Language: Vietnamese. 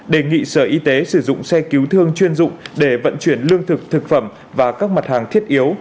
đề nghị sở y tế sử dụng xe cứu thương chuyên dụng để vận chuyển lương thực thực phẩm và các mặt hàng thiết yếu